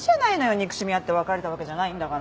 憎しみ合って別れたわけじゃないんだから。